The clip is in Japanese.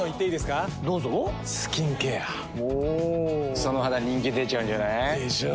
その肌人気出ちゃうんじゃない？でしょう。